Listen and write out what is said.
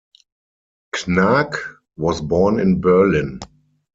Knaack was born in Berlin.